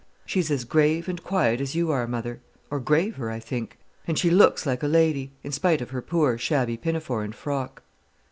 She's as grave and quiet as you are, mother, or graver, I think; and she looks like a lady, in spite of her poor, shabby pinafore and frock."